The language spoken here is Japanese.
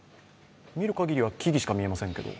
見る限りは木々しか見えませんけど。